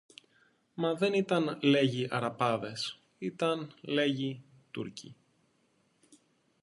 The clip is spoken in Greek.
Μα δεν ήταν, λέγει, Αραπάδες, ήταν, λέγει, Τούρκοι.